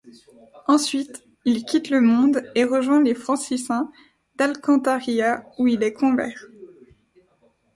Ensuite, il quitte le monde et rejoint les franciscains d'Alcantarilla où il est convers.